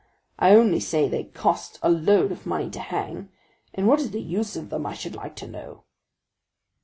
I only say they cost a load of money to hang, and what is the use of them, I should like to know?"